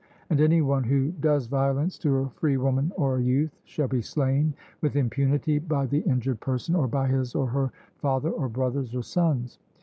And any one who does violence to a free woman or a youth, shall be slain with impunity by the injured person, or by his or her father or brothers or sons.